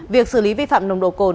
việc xử lý vi phạm nồng độ cồn